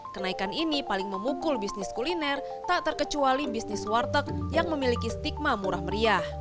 kenaikan ini paling memukul bisnis kuliner tak terkecuali bisnis warteg yang memiliki stigma murah meriah